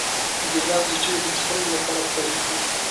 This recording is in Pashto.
ګیلاس د چایو د څښلو لپاره کارېږي.